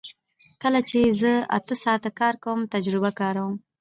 کله چې زه اته ساعته کار کوم تجربه کاروم